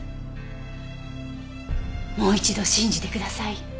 もう一度信じてください。